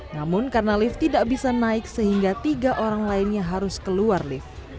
namun karena lift tidak bisa naik sehingga tiga orang lainnya harus keluar lift